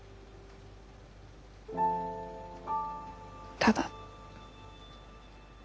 ただ。